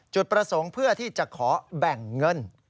จุดประสงค์เพื่อที่จะขอแบ่งเงิน